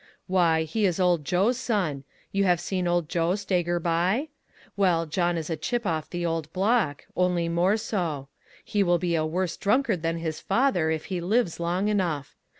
" Why, he is old Joe's son. You have seen old Joe stagger by? Well, John is a chip of the old block, only more BO. He will be a worse drunkard than his father if he lives long enough.